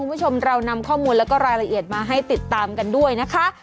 คุณผู้ชมเรานำข้อมูลแล้วก็รายละเอียดมาให้ติดตามกันด้วยนะคะ